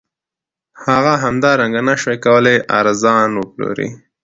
هغه همدارنګه نشوای کولی ارزان وپلوري